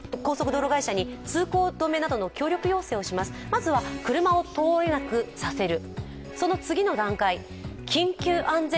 まずは車を通れなくさせる。